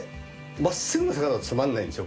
まっすぐな坂だとつまんないんですよ